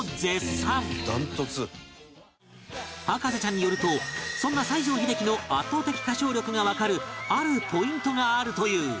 博士ちゃんによるとそんな西城秀樹の圧倒的歌唱力がわかるあるポイントがあるという